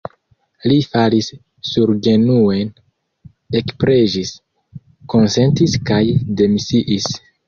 Li falis surgenuen, ekpreĝis, konsentis kaj demisiis.